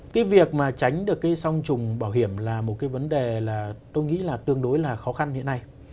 cái việc mà tránh được cái song trùng bảo hiểm là một cái vấn đề là tôi nghĩ là tương đối là khó khăn hiện nay